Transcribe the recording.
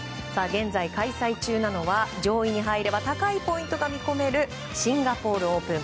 現在、開催中なのは上位に入れば高いポイントが見込めるシンガポール・オープン。